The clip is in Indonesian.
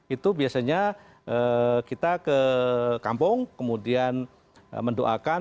itu biasanya kita ke kampung kemudian mendoakan